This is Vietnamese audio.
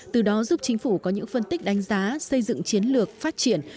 từ đó giúp chính phủ có những phân tích đánh giá xây dựng chiến lược phát triển